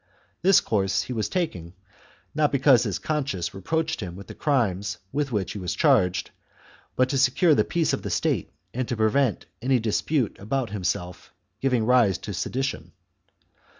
This course he was taking, not because his conscience reproached him with the crimes with which he was charged, but to secure the peace of the State and to prevent any dispute about himself giving rise to sedition.